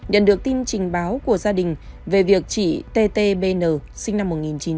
nhận được tin trình báo của gia đình về việc chị t t b n sinh năm một nghìn chín trăm tám mươi bảy